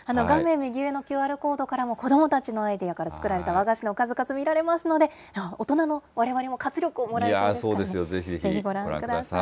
右上のＱＲコードからも、子どもたちのアイデアから作られた和菓子の数々見られますので、大人のわれわれも活力をもらえそそうですよ、ぜひぜひご覧ください。